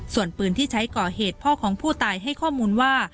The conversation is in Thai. ส่วนปืนที่ใช้ก่อเหตุพ่อของผู้ตายให้ข้อมูลว่า